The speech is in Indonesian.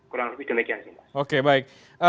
kurang lebih demikian sih